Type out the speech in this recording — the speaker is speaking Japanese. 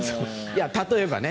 例えばね。